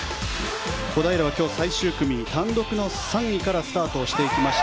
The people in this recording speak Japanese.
小平は今日最終組単独の３位からスタートしていきました。